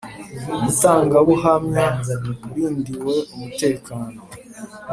umutangabuhamya urindiwe umutekano